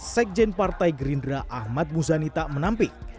sekjen partai gerindra ahmad muzani tak menampik